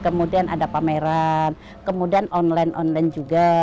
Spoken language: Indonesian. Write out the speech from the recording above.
kemudian kita ada pasar kemudian ada pameran kemudian online online juga